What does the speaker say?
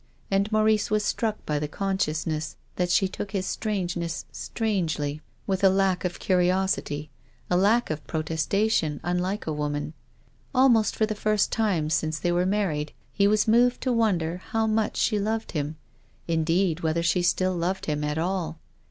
And Maurice was struck by the consciousness that she took his strangeness strangely, with a lack of curiosity, a lack of protestation unlike a woman ; almost for the first time since they were married he was moved to wonder how much she loved him, indeed whether she still loved him at all.